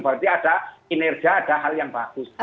berarti ada kinerja ada hal yang bagus